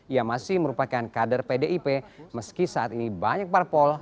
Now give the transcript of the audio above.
ia masih merupakan kader pdip meski saat ini banyak parpol